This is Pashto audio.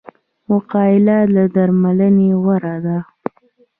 وقایه له درملنې غوره ده